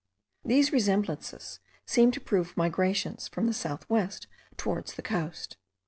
These resemblances seem to prove migrations from the south west towards the coast.